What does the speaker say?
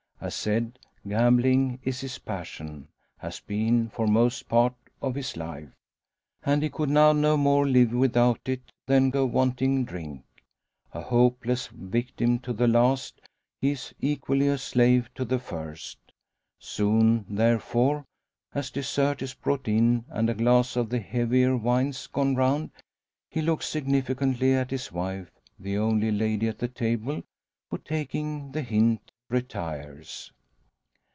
As said, gambling is his passion has been for most part of his life and he could now no more live without it than go wanting drink. A hopeless victim to the last, he is equally a slave to the first. Soon, therefore, as dessert is brought in, and a glass of the heavier wines gone round, he looks significantly at his wife the only lady at the table who, taking the hint, retires.